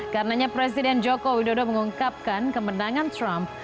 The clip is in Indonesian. karenanya presiden jokowi dodo mengungkapkan kemenangan trump